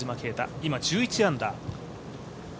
今１１アンダー。